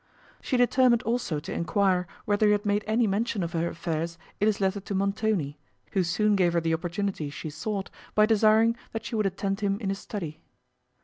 She determined also to enquire whether he had made any mention of her affairs, in his letter to Montoni, who soon gave her the opportunity she sought, by desiring that she would attend him in his study.